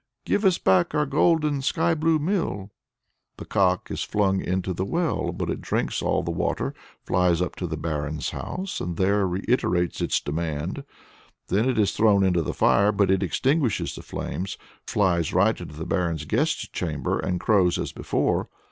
Give us back our golden, sky blue mill!" The cock is flung into the well, but it drinks all the water, flies up to the Barin's house, and there reiterates its demand. Then it is thrown into the fire, but it extinguishes the flames, flies right into the Barin's guest chamber, and crows as before.